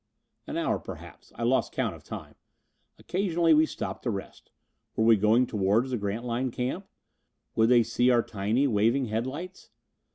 An hour perhaps. I lost count of time. Occasionally we stopped to rest. Were we going toward the Grantline camp? Would they see our tiny waving headlights?